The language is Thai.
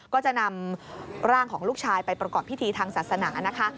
ก็จะนำร่างของลูกชายไปประกอบพิธีทางศาสนานะคะ